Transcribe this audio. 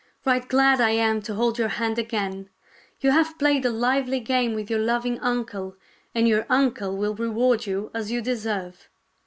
" Right glad I am to hold your hand again. You have played a lively game with your loving uncle, and your uncle will reward you as you deserve."